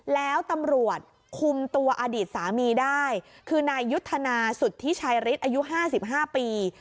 แล้วตำรวจคุมตัวอดีตสามีได้คือนายยุทธนาสุธิชายฤทธิ์อายุ๕๕ปี